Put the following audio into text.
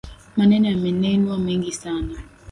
Maneno yamenenwa mengi sana